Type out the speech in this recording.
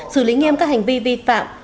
xử lý nghiêm các hành vi vi phạm